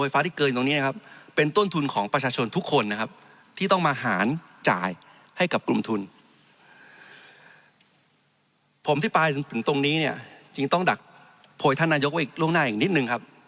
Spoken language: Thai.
ผมอธิบายถึงตรงนี้เนี่ยจึงต้องดักโพยท่านนายกไว้ล่วงหน้าอีกนิดนึงครับ